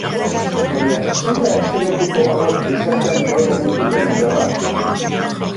Baina, zein da estereotipo hauek gizartean gaur egun duten indarra?